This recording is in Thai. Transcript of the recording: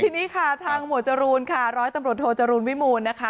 ทีนี้ค่ะทางหมวดจรูนค่ะร้อยตำรวจโทจรูลวิมูลนะคะ